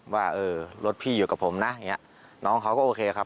ว่ารถพี่อยู่กับผมนะน้องเขาก็โอเคครับ